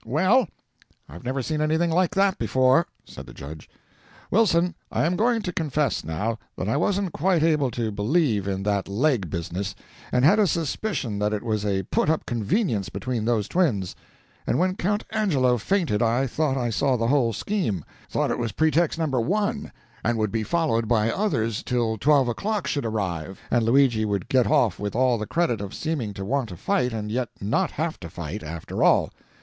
"Well, I've never seen anything like that before!" said the judge. "Wilson, I am going to confess now, that I wasn't quite able to believe in that leg business, and had a suspicion that it was a put up convenience between those twins; and when Count Angelo fainted I thought I saw the whole scheme thought it was pretext No. 1, and would be followed by others till twelve o'clock should arrive, and Luigi would get off with all the credit of seeming to want to fight and yet not have to fight, after all.